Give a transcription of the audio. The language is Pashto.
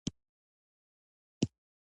پابندی غرونه د افغانستان د ملي هویت نښه ده.